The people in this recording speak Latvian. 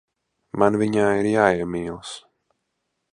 Man viņā ir jāiemīlas.